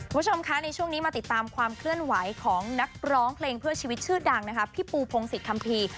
คุณผู้ชมคะในช่วงนี้มาติดตามความเคลื่อนไหวของนักร้องเพลงเพื่อชีวิตชื่อดังนะคะพี่ปูพงศิษยคัมภีร์